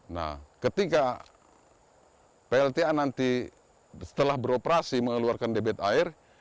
nah ketika plta nanti setelah beroperasi mengeluarkan debit air